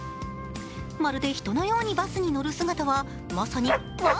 まるで人のようにバスに乗る姿はまさにワン！